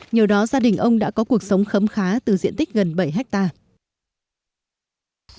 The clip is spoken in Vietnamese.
nhờ đó gia đình ông đã có cuộc sống khấm khá từ diện tích gần bảy hectare